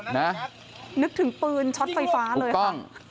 นึกถึงปืนชอตไฟฟ้าเลยครับถูกต้อง